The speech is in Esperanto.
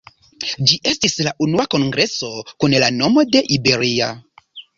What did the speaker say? Ĝi estis la unua kongreso kun la nomo de Iberia.